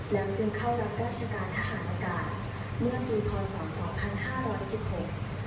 แล้วจึงเข้ารับราชการทหารกาศเมื่อปีพศ๒๕๑๖